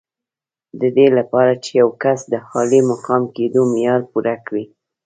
د دې لپاره چې یو کس د عالي مقام کېدو معیار پوره کړي.